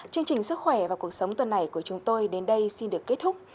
chương trình sức khỏe và cuộc sống tuần này của chúng tôi đến đây xin được kết thúc